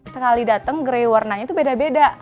sekali datang gray warnanya itu beda beda